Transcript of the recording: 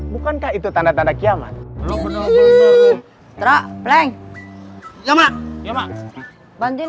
bukankah itu tanda yang terjadi